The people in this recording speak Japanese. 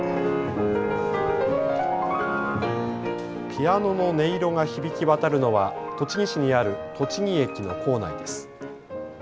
ピアノの音色が響き渡るのは栃木市にある栃木駅の構内です。